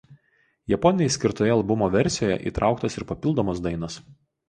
Japonijai skirtoje albumo versijoje įtrauktos ir papildomos dainos.